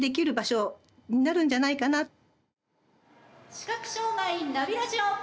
「視覚障害ナビ・ラジオ」。